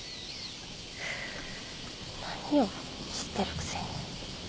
何よ知ってるくせに。